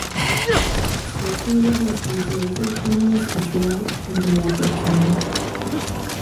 Its weaponry includes laser canons, a drill, and a mortar cannon.